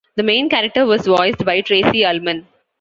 The main character was voiced by Tracey Ullman.